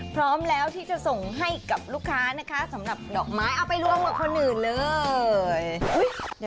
พร้อมแล้วที่จะส่งให้กับลูกค้านะคะสำหรับดอกไม้เอาไปรวมกับคนอื่นเลย